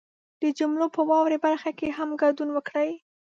د جملو په واورئ برخه کې هم ګډون وکړئ